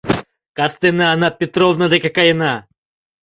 Кастене Анна Петровна деке каена.